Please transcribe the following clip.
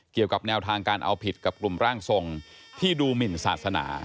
เกี่ยวกับแนวทางการเอาผิดกับกลุ่มร่างทรงที่ดูหมินศาสนา